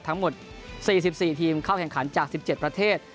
ทั้งหมด๔๔ทีมเข้าแข่งขันจาก๑๗ประเทศ